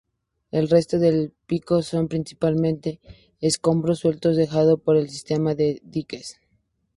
El resto del pico son principalmente escombros sueltos dejados por el sistema de diques.